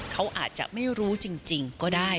เขาอาจจะไม่รู้จริงก็ได้